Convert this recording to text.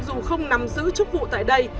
dù không nằm giữ chức vụ tại đây